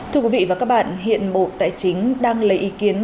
thưa quý vị và các bạn hiện bộ tài chính đang lấy ý kiến